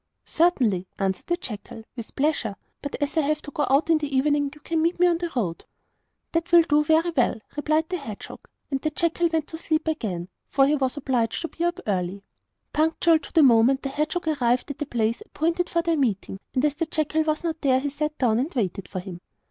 'Certainly,' answered the jackal, 'with pleasure. But as I have to go out in the morning you can meet me on the road.' 'That will do very well,' replied the hedgehog. And the jackal went to sleep again, for he was obliged to be up early. Punctual to the moment the hedgehog arrived at the place appointed for their meeting, and as the jackal was not there he sat down and waited for him.